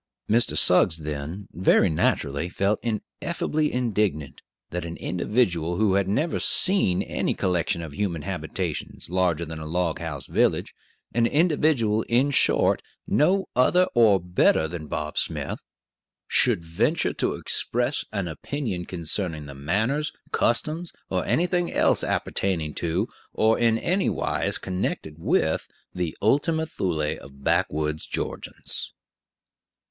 Mr. Suggs, then, very naturally, felt ineffably indignant that an individual who had never seen any collection of human habitations larger than a log house village an individual, in short, no other or better than Bob Smith should venture to express an opinion concerning the manners, customs, or anything else appertaining to, or in any wise connected with, the Ultima Thule of backwoods Georgians.